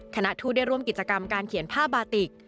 คณะทูตได้ร่วมกิจกรรมการเขียนผ้าบาติก